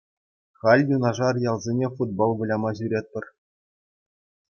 Халь юнашар ялсене футбол выляма ҫӳретпӗр.